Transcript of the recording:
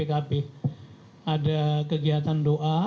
jadi ada kegiatan doa